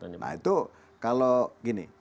nah itu kalau gini